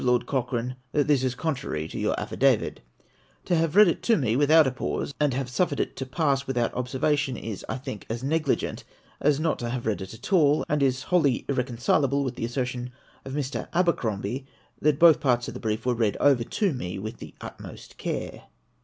Lord Cochrane, that this is contra dictory to your affidavit ?" To have read it to me without a pause, and have suffered it to pass without observation, is, I think, as negligent as not to have read it at all ; and is wholly irreconcileable witli the assertion of INIr. Abercrombie, that both parts of the brief were read over to me with the utmost care.